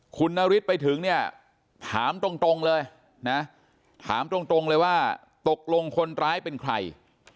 คุณนฤทธิ์ไปถึงเนี่ยถามตรงเลยนะถามตรงเลยว่าตกลงคนร้ายเป็นใคร